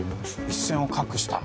一線を画した